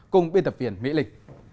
cùng biên tập viên mỹ linh